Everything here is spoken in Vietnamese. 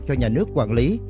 cho nhà nước quản lý